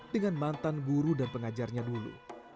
dengan mantan guru dan pengajarnya dulu